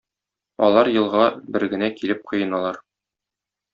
Алар елга бер генә килеп коеналар.